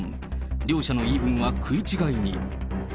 両者の言い分は食い違いに。